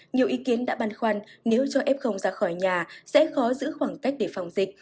nhiều ý kiến đã băn khoăn nếu cho f ra khỏi nhà sẽ khó giữ khoảng cách để phòng dịch